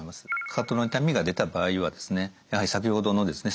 かかとの痛みが出た場合はですねやはり先ほどのですね